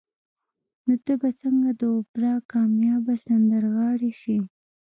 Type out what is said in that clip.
نو ته به څنګه د اوپرا کاميابه سندرغاړې شې